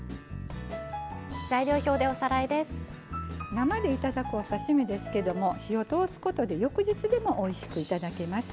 生で頂くお刺身ですけども火を通すことで翌日でもおいしく頂けます。